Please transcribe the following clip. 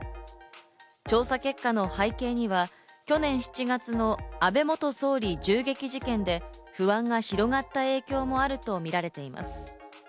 調査結果の背景には去年７月の安倍元総理銃撃事件で不安が広がった影響もあるとみられています。